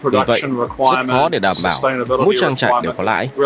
do vậy rất khó để đảm bảo mỗi trang trại đều có lãi